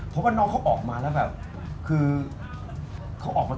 เพราะว่าน้องเขาออกมาแล้วแบบีบมากเลย